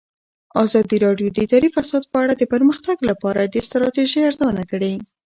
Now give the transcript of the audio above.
ازادي راډیو د اداري فساد په اړه د پرمختګ لپاره د ستراتیژۍ ارزونه کړې.